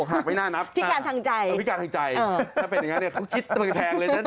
อกหักไม่น่านับนะครับพิการทางใจถ้าเป็นอย่างนั้นเนี่ยเขาคิดตัวแค่แพงเลยเนี่ย